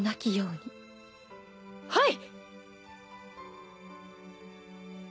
はい！